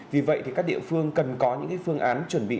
vì vậy thì các địa phương cần có những phương án chuẩn bị